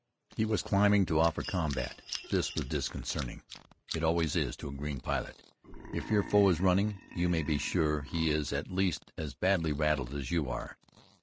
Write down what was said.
He was climbing to offer combat. This was disconcerting. It always is to a green pilot. If your foe is running, you may be sure he is at least as badly rattled as you are.